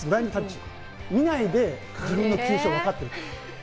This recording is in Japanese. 見ないで自分の球種をわかってる。